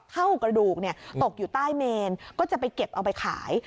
เท่ากระดูกตกอยู่ใต้เมนก็จะไปเก็บเอาไปขาย